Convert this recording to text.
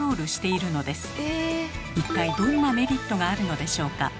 一体どんなメリットがあるのでしょうか？